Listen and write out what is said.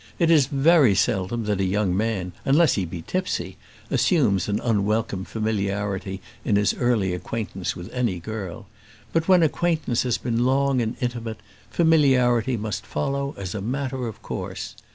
It is very seldom that a young man, unless he be tipsy, assumes an unwelcome familiarity in his early acquaintance with any girl; but when acquaintance has been long and intimate, familiarity must follow as a matter of course.